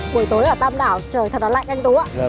buổi tối ở tạm đảo trời thật là lạnh anh tú ạ